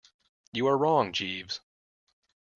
You are wrong, Jeeves.